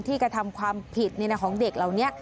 กระทำความผิดของเด็กเหล่านี้